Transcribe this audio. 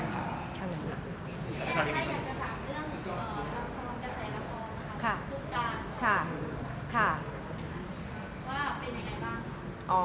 แอนใครอยากจะถามเรื่องลับความกระใสละครนะคะสุขการ